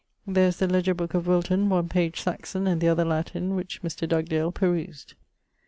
There is the legier book of Wilton, one page Saxon and the other Latin, which Mr. Dugdale perused.